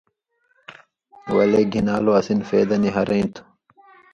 ولے گھِنان٘لو اسی نہ فَیدہ نی ہرَیں تھُو۔